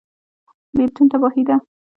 بیلتون تباهي ده